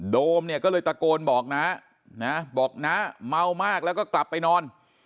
โมเนี่ยก็เลยตะโกนบอกน้านะบอกน้าเมามากแล้วก็กลับไปนอน